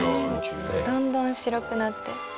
だんだん白くなって。